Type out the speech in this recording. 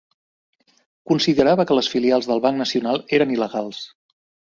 Considerava que les filials del Banc Nacional eren il·legals.